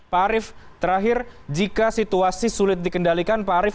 pak arief terakhir jika situasi sulit dikendalikan pak arief